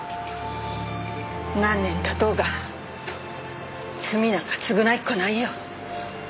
何年経とうが罪なんか償えっこないよ。